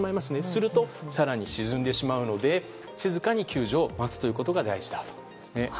すると、更に沈んでしまうので静かに救助を待つことが大事だというんですね。